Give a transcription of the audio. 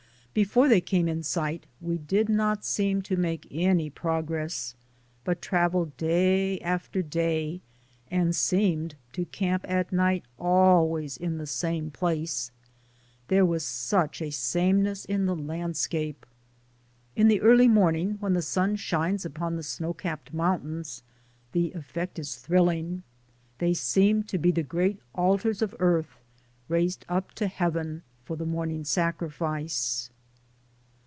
Before they came in sight we did not seem to make any progress, but traveled day after day, and seemed to camp at night always in the same DAYS ON THE ROAD. 123 place ; there was such a sameness in the land scape. In the early morning when the sun shines upon the snow capped mountains the effect is thrilling; they seem to be the great altars of earth raised up to Heaven for the morning sacrifice.